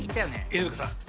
犬塚さん